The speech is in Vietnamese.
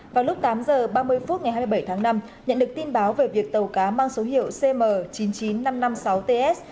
vào lúc tám h ba mươi phút ngày hai mươi bảy tháng năm nhận được tin báo về việc tàu cá mang số hiệu cm chín mươi chín nghìn năm trăm năm mươi sáu ts